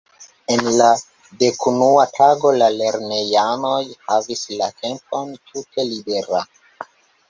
En la dekunua tago la lernejanoj havis la tempon tute libera.